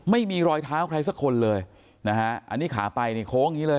ไม่มีรอยเท้าใครสักคนเลยนะฮะอันนี้ขาไปนี่โค้งอย่างนี้เลย